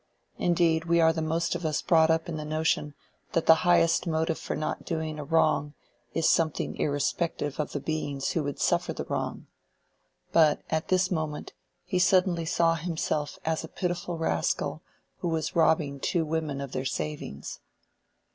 Indeed we are most of us brought up in the notion that the highest motive for not doing a wrong is something irrespective of the beings who would suffer the wrong. But at this moment he suddenly saw himself as a pitiful rascal who was robbing two women of their savings.